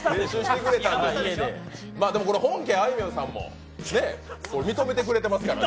本家あいみょんさんも認めてくれてますからね。